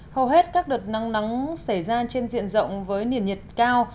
hầu hết các đợt nắng nóng xảy ra trên diện rộng với nền nhiệt cao